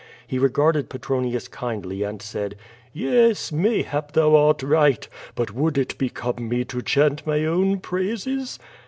He regarded Petronius kindly, and said: "Yes, mayhap thou art right, but would it become me to chant my own praises?"